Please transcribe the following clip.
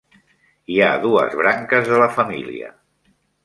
Hi ha dues branques de la família.